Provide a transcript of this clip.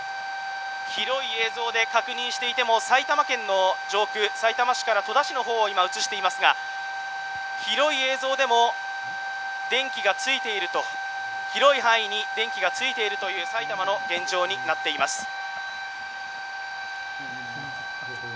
広い映像で確認していても埼玉県の上空さいたま市から戸田市の方を今映していますが、広い映像でも、広い範囲に電気がついているという埼玉の現状になっています。